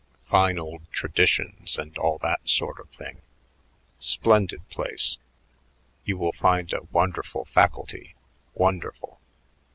Fine old traditions and all that sort of thing. Splendid place. You will find a wonderful faculty, wonderful.